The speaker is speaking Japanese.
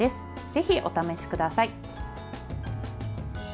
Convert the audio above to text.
ぜひお試しください。